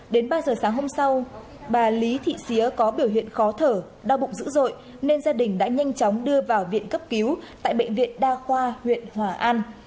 đến ba giờ sáng hôm sau bà lý thị xía có biểu hiện khó thở đau bụng dữ dội nên gia đình đã nhanh chóng đưa vào viện cấp cứu tại bệnh viện đa khoa huyện hòa an